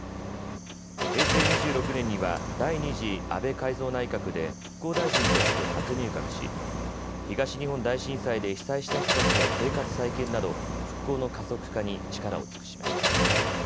平成２６年には第２次安倍改造内閣で復興大臣として初入閣し、東日本大震災で被災した人たちの生活再建など復興の加速化に力を尽くしました。